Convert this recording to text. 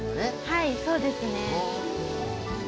はいそうですね。